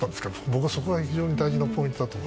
僕はそこが非常に大事なポイントだと思う。